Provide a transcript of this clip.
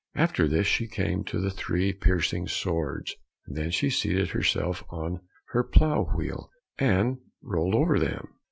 After this she came to the three piercing swords, and then she seated herself on her plough wheel, and rolled over them.